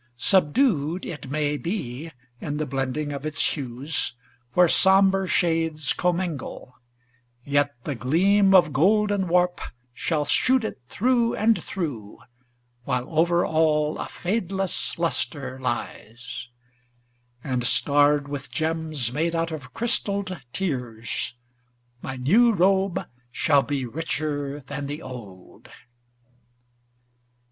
Subdued, It may be, in the blending of its hues, Where somber shades commingle, yet the gleam Of golden warp shall shoot it through and through, While over all a fadeless luster lies, And starred with gems made out of crystalled tears, My new robe shall be richer than the old.